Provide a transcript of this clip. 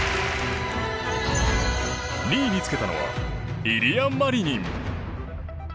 ２位につけたのはイリア・マリニン。